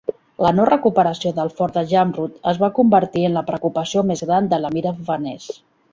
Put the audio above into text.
La no recuperació del Fort de Jamrud es va convertir en la preocupació més gran de l'Emir afganès.